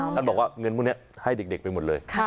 ท่านบอกว่าเงินพวกนี้ให้เด็กไปหมดเลย